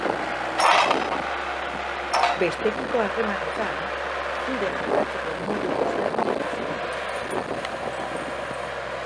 Besteekiko harremanetan, zure jokatzeko modu desberdinetaz konturatuko zara.